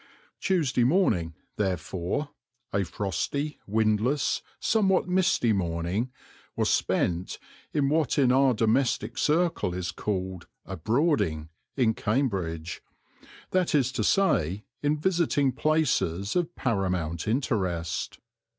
Tuesday morning, therefore a frosty, windless, somewhat misty morning was spent in what in our domestic circle is called "abroading" in Cambridge, that is to say, in visiting places of paramount interest.